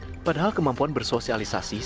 sangat berbeda dengan kemampuan berkomunikasi sosial